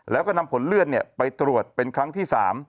แล้วก็นำผลเลือดไปตรวจเป็นครั้งที่๓